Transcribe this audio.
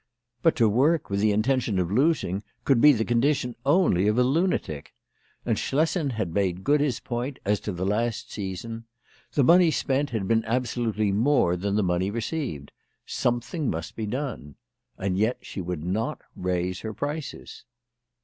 But to work with the intention of losing could be the condition only of a lunatic. And Schlessen had made good his point as to the last season. The money spent had been absolutely more than the money re ceived. Something must be done. And yet she would not raise her prices.